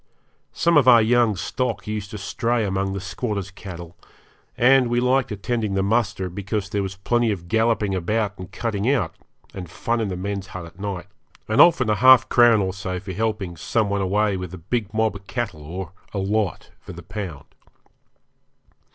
Some of our young stock used to stray among the squatters' cattle, and we liked attending the muster because there was plenty of galloping about and cutting out, and fun in the men's hut at night, and often a half crown or so for helping some one away with a big mob of cattle or a lot for the pound.